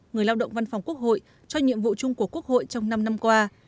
người lao động văn phòng quốc hội cho nhiệm vụ chung của quốc hội trong năm năm qua